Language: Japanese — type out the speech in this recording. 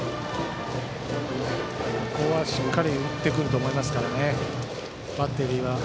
ここはしっかり打ってくると思いますからね。